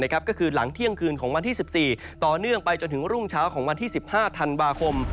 ก็คือหลังเที่ยงคืนของวันที่๑๔ต่อเนื่องไปจนถึงรุ่งเช้าของวันที่๑๕ธันวาคม